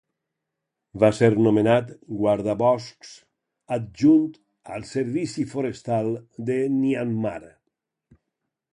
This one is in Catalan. Va ser nomenat guardaboscs adjunt al servici forestal de Myanmar.